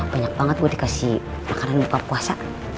banyak banget buat dikasih makanan buka puasa